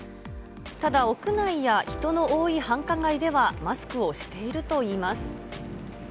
ただ、屋内や人の多い繁華街ではマスクをしているといいます。